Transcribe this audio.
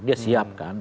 dia siap kan